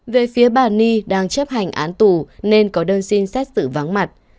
về phía bà ni đang chấp hành án tù nên có đơn xin xét xử vắng mặt